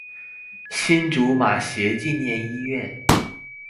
新竹馬偕紀念醫院